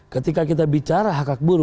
ketika kita bicara hak akbur